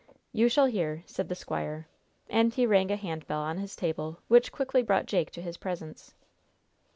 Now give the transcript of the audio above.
"You shall hear," said the squire, and he rang a hand bell on his table, which quickly brought Jake to his presence.